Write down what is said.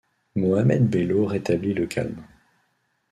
Mohammed Bello rétablit le calme.